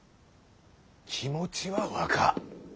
気持ちは分かぁ。